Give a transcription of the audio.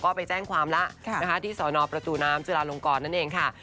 ก็ไปแจ้งความแล้วนะคะที่สอนอประตูน้ำจุลาลงกรนั่นเองค่ะ